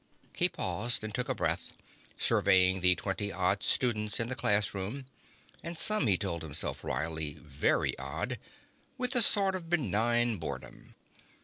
He paused and took a breath, surveying the twenty odd students in the classroom (and some, he told himself wryly, very odd) with a sort of benign boredom.